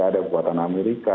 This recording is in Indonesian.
ada buatan amerika